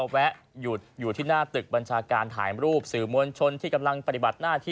ไปดูสิว่าท่านจะโพสต์อะไรเป็นยังไงแต่ละวันนะ